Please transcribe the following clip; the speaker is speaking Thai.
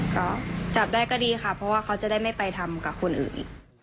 ก็จับได้ก็ดีค่ะเพราะว่าเขาจะได้ไม่ไปทำกับคนอื่น